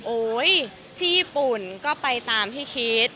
ที่ญี่ปุ่นก็ไปตามที่คิด